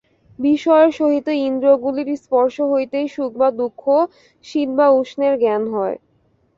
বিষয়ের সহিত ইন্দ্রিয়গুলির স্পর্শ হইতেই সুখ বা দুঃখ, শীত বা উষ্ণের জ্ঞান হয়।